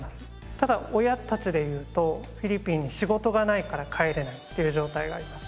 ただ親たちでいうとフィリピンに仕事がないから帰れないっていう状態があります。